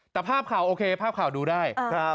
แต่ภาพข่าวโอเคภาพข่าวดูได้